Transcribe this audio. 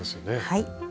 はい。